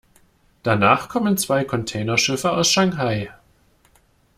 Danach kommen zwei Containerschiffe aus Shanghai.